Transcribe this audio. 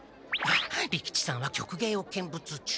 利吉さんは曲芸を見物中。